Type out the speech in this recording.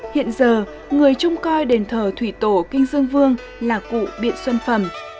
hiện giờ người trông coi đền thờ thủy tổ kinh dương vương là cụ biện xuân phẩm